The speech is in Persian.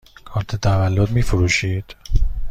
کارت تولد می فروشید؟